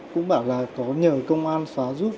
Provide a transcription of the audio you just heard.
cũng bảo là có nhờ công an xóa rút